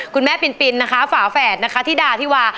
คุณแม่ปินนะคะฝาแฝดนะคะธิดาธิวา